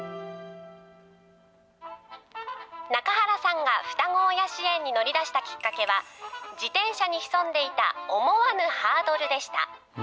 中原さんが双子親支援に乗り出したきっかけは、自転車に潜んでいた思わぬハードルでした。